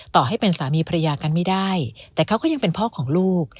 ต่อให้เป็นสามีภรรยากันไม่ได้แต่เขาก็ยังเป็นพ่อของลูก